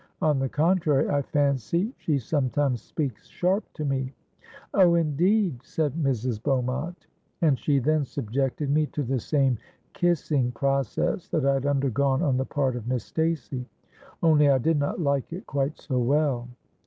'On the contrary, I fancy she sometimes speaks sharp to me.'—'Oh! indeed,' said Mrs. Beaumont; and she then subjected me to the same kissing process that I had undergone on the part of Miss Stacey—only I did not like it quite so well.